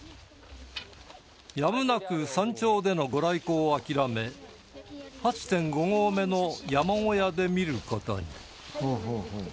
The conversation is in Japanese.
やむなく山頂でのご来光を諦め ８．５ 号目の山小屋で見る事に